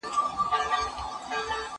ما د سبا لپاره د يادښتونه بشپړ کړي دي!.